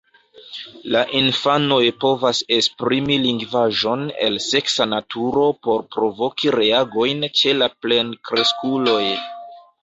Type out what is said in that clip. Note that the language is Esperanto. La infanoj povas esprimi lingvaĵon el seksa naturo por provoki reagojn ĉe la plenkreskuloj.